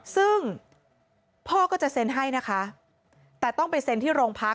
ซึ่งพ่อก็จะเซ็นให้นะคะแต่ต้องไปเซ็นที่โรงพัก